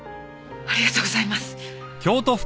ありがとうございます！